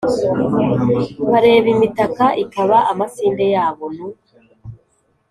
Bareba imitaka, ikaba amasinde yabo nu :